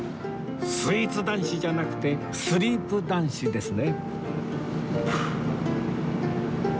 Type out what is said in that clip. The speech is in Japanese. スイーツ男子じゃなくてスリープ男子ですね